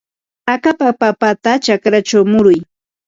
Akapa papata chakrachaw muruy.